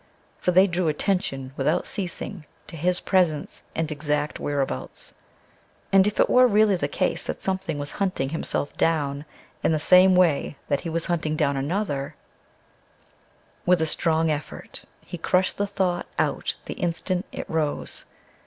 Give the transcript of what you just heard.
For they drew attention without ceasing to his presence and exact whereabouts, and if it were really the case that something was hunting himself down in the same way that he was hunting down another With a strong effort, he crushed the thought out the instant it rose.